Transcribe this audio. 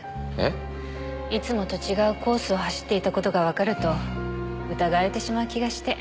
いつもと違うコースを走っていた事がわかると疑われてしまう気がして。